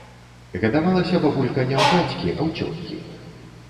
Гадавалася бабулька не ў дзядзькі, а ў цёткі.